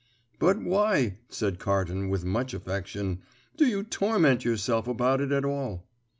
"But why," said Carton, with much affection, "do you torment yourself about it at all?"